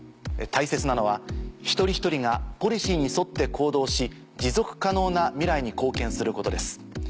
大切なのは一人一人がポリシーに沿って行動し持続可能な未来に貢献することです。